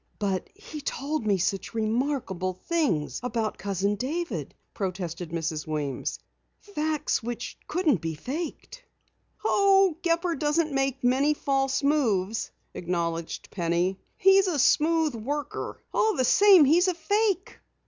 "But he told me such remarkable things about Cousin David," protested Mrs. Weems. "Facts which couldn't be faked." "Oh, Gepper doesn't make many false moves," acknowledged Penny. "He's a smooth worker. All the same, he's a fake."